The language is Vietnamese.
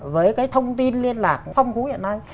với cái thông tin liên lạc phong phú hiện nay